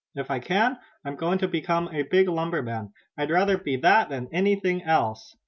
If I can I'm going to become a big lumberman. I'd rather be that than anything else."